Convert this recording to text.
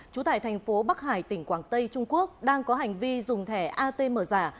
trú tại thành phố bắc hải tỉnh quảng tây trung quốc đang có hành vi dùng thẻ atm giả